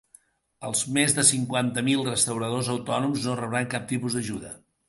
Els més de cinquanta mil restauradors autònoms no rebran cap tipus d'ajuda.